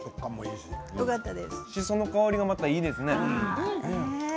しその香りがまたいいですね。